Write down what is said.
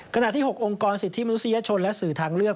ขณะที่๖องค์กรสิทธิมนุษยชนและสื่อทางเลือก